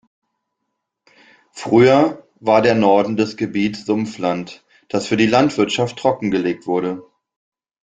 Früher war der Norden des Gebiets Sumpfland, das für die Landwirtschaft trockengelegt wurde.